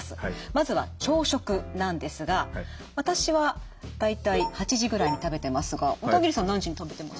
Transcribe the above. まずは朝食なんですが私は大体８時くらいに食べてますが小田切さん何時に食べてます？